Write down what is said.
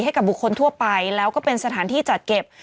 ให้กับบุคคลทั่วไปแล้วก็เป็นสถานที่จัดเก็บ